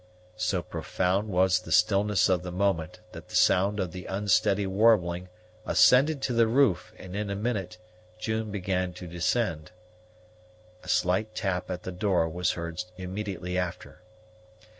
So profound was the stillness of the moment that the sound of the unsteady warbling ascended to the roof and in a minute June began to descend. A slight tap at the door was heard immediately after.